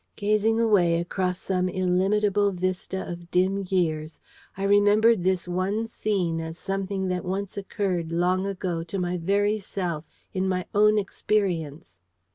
Gazing away across some illimitable vista of dim years, I remembered this one scene as something that once occurred, long ago, to my very self, in my own experience.